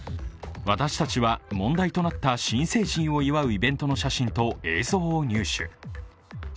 私たちは問題となった新成人を祝うイベントの写真と映像を入手。